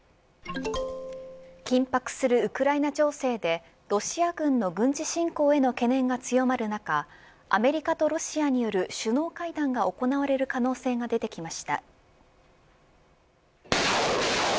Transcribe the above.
緊迫するウクライナ情勢でロシア軍の軍事侵攻への懸念が強まる中アメリカとロシアによる首脳会談が行われる可能性が出てきました。